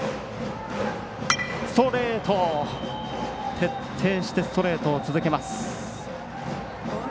徹底してストレートを続けます。